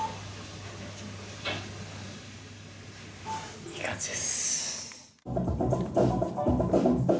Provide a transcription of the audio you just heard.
いい感じです。